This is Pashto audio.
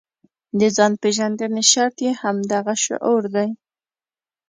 د ځان پېژندنې شرط یې همدغه شعور دی.